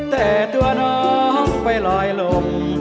แต่ตัวน้องไปลอยลม